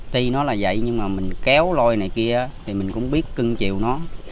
tuy nó là vậy nhưng mà mình kéo lôi này kia thì mình cũng biết cưng chiều nó